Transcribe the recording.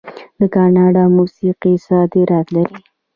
د کاناډا موسیقي صادرات لري.